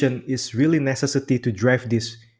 benar benar perlu menggunakan